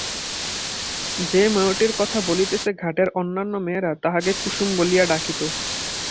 যে মেয়েটির কথা বলিতেছি ঘাটের অন্যান্য মেয়েরা তাহাকে কুসুম বলিয়া ডাকিত।